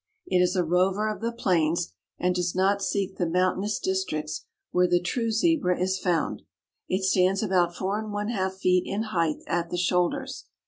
It is a rover of the plains and does not seek the mountainous districts where the true Zebra is found. It stands about four and one half feet in height at the shoulders.